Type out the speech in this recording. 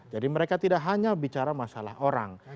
jadi mereka tidak hanya bicara masalah orang